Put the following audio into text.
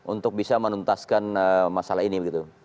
untuk bisa menuntaskan masalah ini begitu